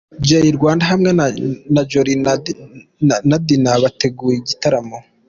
Jay Rwanda hamwe na Jolie na Dianah bateguye igitaramo